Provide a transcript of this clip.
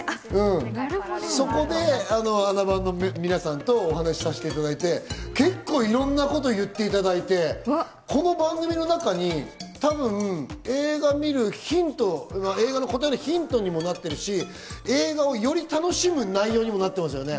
そこで『あな番』の皆さんとお話させていただいて結構いろんなこと言っていただいて、この番組の中に多分、映画を見るヒント、映画の答えのヒントにもなってるし、映画をより楽しむ内容にもなってますよね。